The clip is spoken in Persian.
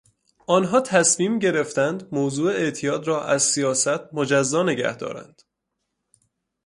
آنها تصمیم گرفتند موضوع اعتیاد را از سیاست مجزا نگهدارند.